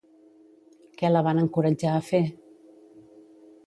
Què la van encoratjar a fer?